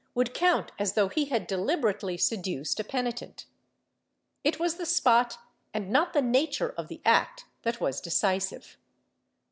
116 SOLICITATION [Book VIII would count as though he had dehberately seduced a penitent/ It was the spot and not the nature of the act that was decisive.